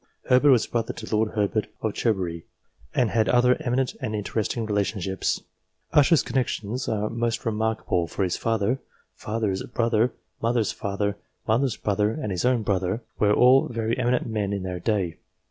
Herbert was brother to Lord Herbert of Cherbury, and had other eminent and interesting relationships. Usher's con nexions are most remarkable, for his father, father's brother, mother's father, mother's brother, and his own brother, were all very eminent men in their day.